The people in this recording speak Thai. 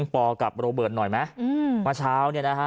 ปอล์กับโรเบิร์ตหน่อยไหมครับ